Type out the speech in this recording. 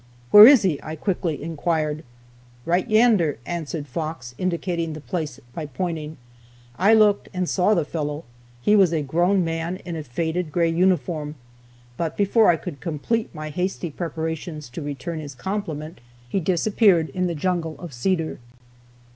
"Where is he?" I quickly inquired. "Right yander," answered Fox, indicating the place by pointing. I looked and saw the fellow he was a grown man, in a faded gray uniform, but before I could complete my hasty preparations to return his compliment he disappeared in the jungle of cedar.